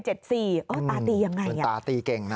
ตาตียังไงน่ะใช่ไหมคืนตาตีเก่งนะ